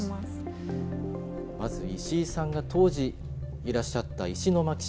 まず石井さんが当時いらっしゃった石巻市。